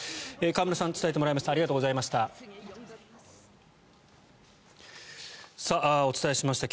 河村さんに伝えてもらいました。